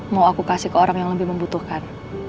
mau aku kasih ke orang yang lebih membutuhkan